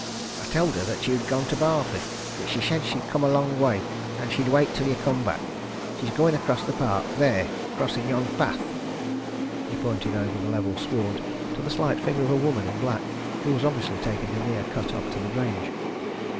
"I tell'd her that you'd gone to Barford, but she said she'd come a long way, and she'd wait till you come back. She's going across the park there crossin' yon path." He pointed over the level sward to the slight figure of a woman in black, who was obviously taking a near cut up to the Grange.